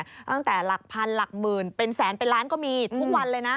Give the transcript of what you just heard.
ตั้งแต่หลักพันหลักหมื่นเป็นแสนเป็นล้านก็มีทุกวันเลยนะ